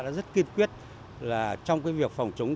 đã rất kiên quyết là trong cái việc phòng chống trị